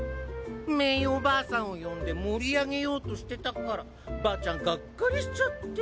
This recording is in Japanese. メイおばあさんを呼んで盛り上げようとしてたからばあちゃんガッカリしちゃって。